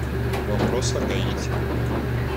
Вопрос о Гаити.